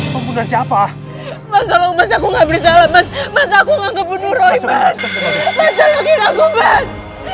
pembunuhan siapa mas tolong aku gak bersalah mas aku gak kebunuh roy mas tolongin aku mas